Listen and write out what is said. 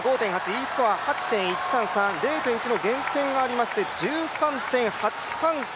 Ｅスコア８．１３３、０．１の減点がありまして１３．８３３